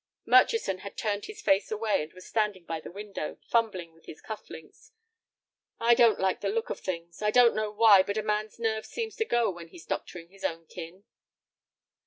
Murchison had turned his face away, and was standing by the window, fumbling with his cuff links. "I don't like the look of things. I don't know why, but a man's nerve seems to go when he's doctoring his own kin."